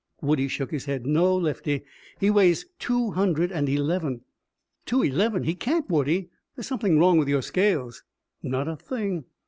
Woodie shook his head. "No, Lefty, he weighs two hundred and eleven." "Two eleven! He can't, Woodie. There's something wrong with your scales." "Not a thing."